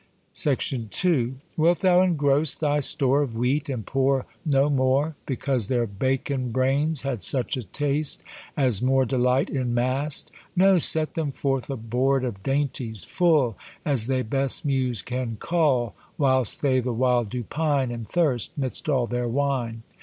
II. Wilt thou engross thy store Of wheat, and pour no more, Because their bacon brains had such a taste As more delight in mast: No! set them forth a board of dainties, full As thy best muse can cull Whilst they the while do pine And thirst, midst all their wine.